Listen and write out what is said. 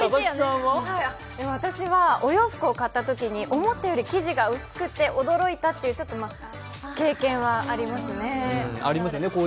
私はお洋服を買ったときに思っていたよりも生地が薄くて驚いたっていう経験はありますね。